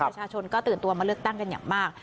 ประชาชนก็ตื่นตัวมาเลือกตั้งกันอย่างมาก